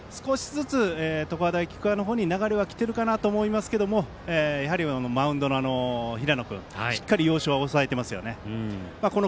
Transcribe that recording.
少しずつ常葉大菊川の方に流れは来ているかと思いますけどマウンドの平野君しっかり要所は押さえてますよね。